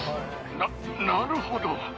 ななるほど。